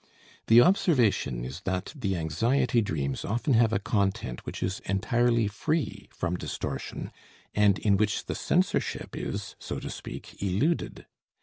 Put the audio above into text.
The observation is that the anxiety dreams often have a content which is entirely free from distortion and in which the censorship is, so to speak, eluded.